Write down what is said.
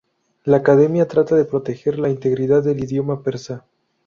La academia trata de proteger la integridad del idioma persa.